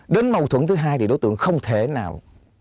đến mâu thuẫn thứ hai thì đối tượng không thể nào